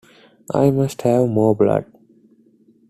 I must have more blood!